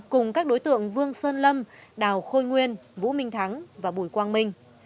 cùng các đối tượng vương sơn lâm đào khôi nguyên vũ minh thắng và bùi quang minh